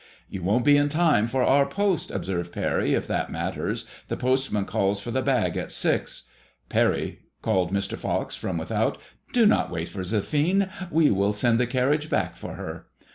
You won't be in time for our post," observed Parry, " if that matters. The postman calls for the bag at six." " Parry," called Mr. Fox from without, "do not wait for Zephine. We will send the carriage back for her."